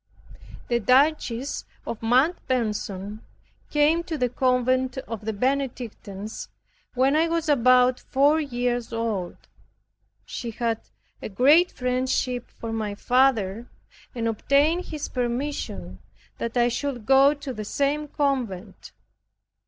The Dutchess of Montbason came to the convent of the Benedictines, when I was about four years old. She had a great friendship for my father, and obtained his permission that I should go to the same convent.